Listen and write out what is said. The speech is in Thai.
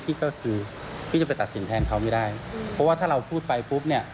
พี่ก็คือพี่จะไปตัดสินแทนเขาไม่ได้เพราะว่าถ้าเราพูดไปปุ๊บเนี่ย